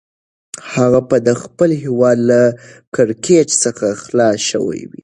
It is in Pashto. هغه به د خپل هیواد له کړکېچ څخه خلاص شوی وي.